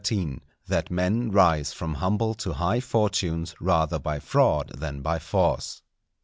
—_That Men rise from humble to high Fortunes rather by Fraud than by Force.